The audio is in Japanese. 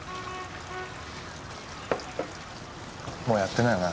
もうやってないよな？